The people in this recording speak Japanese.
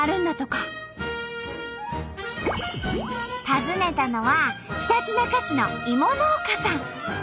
訪ねたのはひたちなか市の芋農家さん。